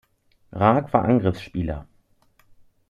Raack war Angriffsspieler.